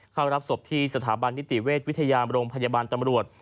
เข้ารับศพที่สถาบันนิติเวชวิทยามโรงพยาบาลตำรวจ